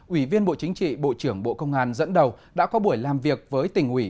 ủy viên bộ chính trị bộ trưởng bộ công an dẫn đầu đã có buổi làm việc với tỉnh ủy